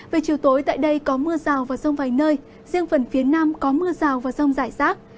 về chiều tối tại đây có mưa rào và rông vài nơi riêng phần phía nam có mưa rào và rông rải rác